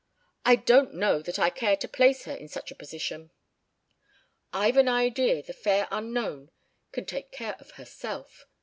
I don't know that I care to place her in such a position." "I've an idea the fair unknown can take care of herself.